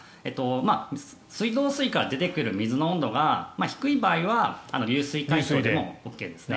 水道水から出てくる水の温度が低い場合は流水解凍でもＯＫですね。